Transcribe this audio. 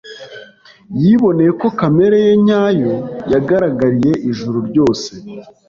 Yiboneye ko kamere ye nyayo yagaragariye ijuru ryose,